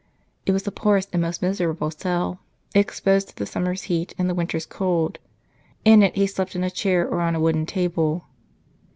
It was the poorest and most miserable cell, exposed to the summer s heat and the winter s cold. In it he slept in a chair or on a wooden table.